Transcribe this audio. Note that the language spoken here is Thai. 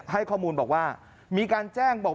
ให้ข้อมูลบอกว่ามีการแจ้งบอก